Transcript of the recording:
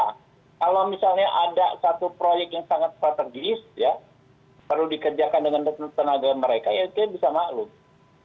kalau misalnya ada satu proyek yang sangat strategis ya perlu dikerjakan dengan tenaga mereka ya kita bisa maklum